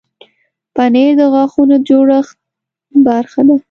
پنېر د غاښونو د جوړښت برخه ده.